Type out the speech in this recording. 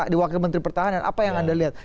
di wakil menteri pertahanan apa yang anda lihat